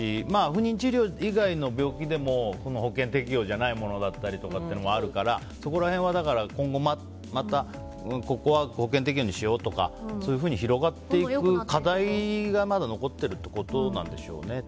不妊治療以外の病気でも保険適用じゃないものもあるからそこら辺は、今後またここは保険適用にしようとかそういうふうに広がっていく課題がまだ残っているということでしょうね。